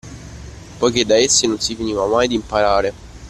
Poiché da essi non si finiva mai di imparare